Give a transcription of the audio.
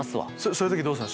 そういう時どうするの？